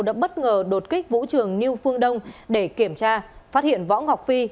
đã bất ngờ đột kích vũ trường new phương đông để kiểm tra phát hiện võ ngọc phi